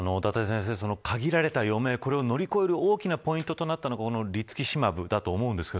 限られた余命、これを乗り越える大きなポイントとなったのがリツキシマブだと思うんですか